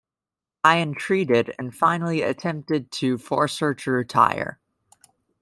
I entreated, and finally attempted to force her to retire.